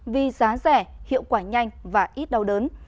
vì giá rẻ hiệu quả nhanh và ít đau đớn